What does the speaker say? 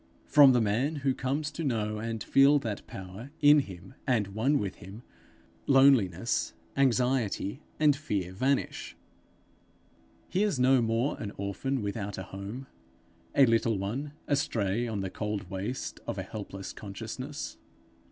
From the man who comes to know and feel that Power in him and one with him, loneliness, anxiety, and fear vanish; he is no more an orphan without a home, a little one astray on the cold waste of a helpless consciousness.